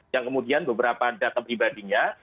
yang kemudian beberapa data pribadinya